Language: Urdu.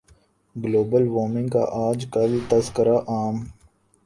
گلوبل وارمنگ کا آج کل تذکرہ عام